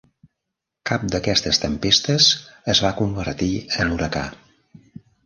Cap d'aquestes tempestes es va convertir en huracà.